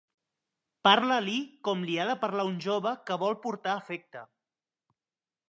Parla-li com li ha de parlar un jove que vol portar afecte